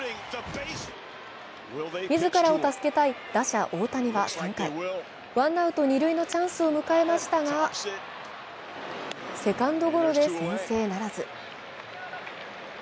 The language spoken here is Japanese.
自らを助けたい打者・大谷は、３回、ワンアウト二塁のチャンスを迎えましたが、セカンドゴロで先制ならず。